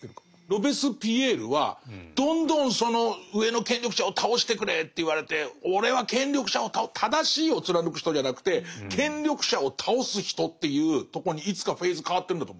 ロベスピエールはどんどんその上の権力者を倒してくれって言われて俺は権力者を倒す「正しいを貫く人」じゃなくて「権力者を倒す人」っていうとこにいつかフェーズ変わってるんだと思うんですよ。